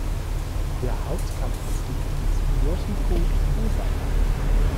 Der Hauptcampus liegt in Sumiyoshi-ku, Osaka.